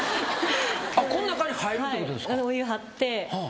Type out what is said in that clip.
こん中に入るってことですか？